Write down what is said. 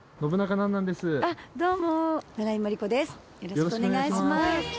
よろしくお願いします。